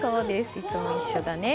いつも一緒だね。